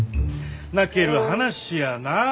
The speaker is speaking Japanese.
泣ける話やなぁ。